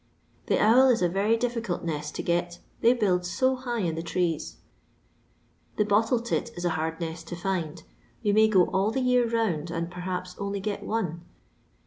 The owl is a very difficult nest to get, they builds so high in the trees. The botUe tit is a hard nest to find ; yon may go all the year round, and, perhaps, only get one.